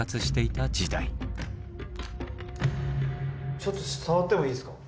ちょっと触ってもいいですか？